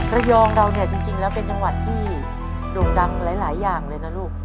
ระยองเราเนี่ยจริงแล้วเป็นจังหวัดที่โด่งดังหลายอย่างเลยนะลูก